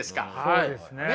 そうですね。